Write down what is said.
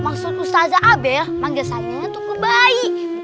maksud ustadz abel manggil sayangnya tuh kebaik